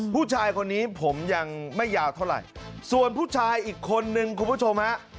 ผู้ชายคนนี้ผมยังไม่ยาวเท่าไหร่ส่วนผู้ชายอีกคนนึงคุณผู้ชมฮะ